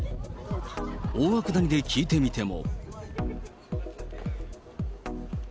大涌谷で聞いてみても。